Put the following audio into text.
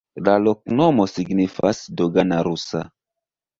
La loknomo signifas: dogana-rusa.